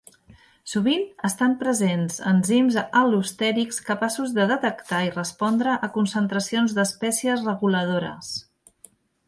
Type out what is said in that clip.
Sovint estan presents enzims al·lostèrics capaços de detectar i respondre a concentracions d'espècies reguladores.